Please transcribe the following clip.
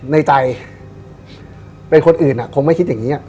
ในใจเป็นคนอื่นเค้าไม่คิดแบบนี้